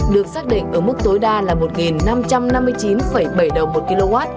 được xác định ở mức tối đa là một năm trăm năm mươi chín bảy đồng một kw